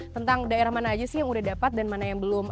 tentang daerah mana aja sih yang udah dapat dan mana yang belum